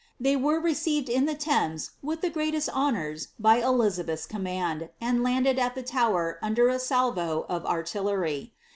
They were received in the Thames with the greatest honours by Elizabeth's command, and landed at the Tower wider a salvo of artillery.